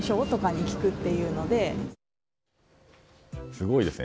すごいですね。